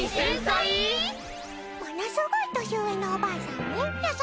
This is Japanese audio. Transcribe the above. ものすごい年上のおばあさんみゃ。